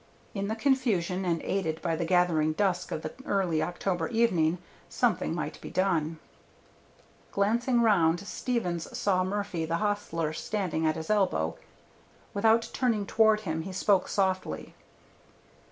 In the confusion, and aided by the gathering dusk of the early October evening, something might be done. Glancing around, Stevens saw Murphy, the hostler, standing at his elbow. Without turning toward him he spoke softly.